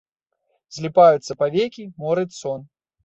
Зліпаюцца павекі, морыць сон.